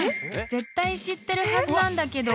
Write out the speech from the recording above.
絶対知ってるはずなんだけど］